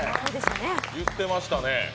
言ってましたね。